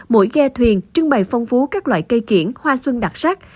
mỗi ghe thuyền trưng bày phong phú các loại cây kiển hoa xuân đặc sắc